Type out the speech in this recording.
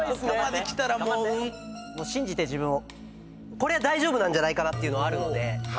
これ大丈夫なんじゃないかなっていうのあるので。